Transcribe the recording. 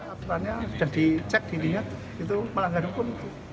aturannya sudah dicek di dingin itu melanggar hukum